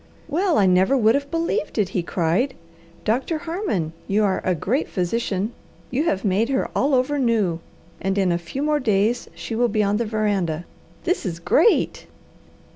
"Well I never would have believed it!" he cried. "Doctor Harmon, you are a great physician! You have made her all over new, and in a few more days she will be on the veranda. This is great!"